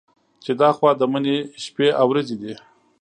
چې دا خو د مني شپې او ورځې دي.